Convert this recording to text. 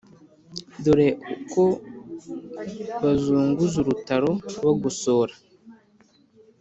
dore uko bazunguza urutaro bagosora,